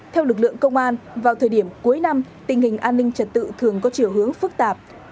theo lực lượng công an vào thời điểm cuối năm tình hình an ninh trật tự thường có chiều hướng phức tạp